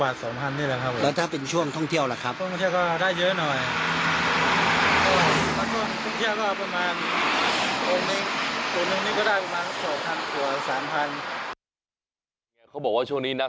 ตัวนึงนี่ก็ได้ประมาณสองพันหัวสามพันเขาบอกว่าช่วงนี้น่ะ